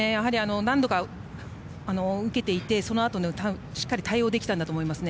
何度か受けていてそのあと、しっかり対応できたんだと思いますね。